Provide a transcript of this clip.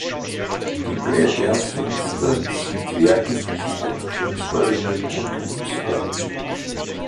Die Bleiglasfenster sind Werke verschiedener Künstlerinnen und Künstler.